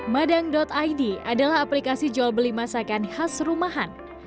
madang id adalah aplikasi jual beli masakan khas rumahan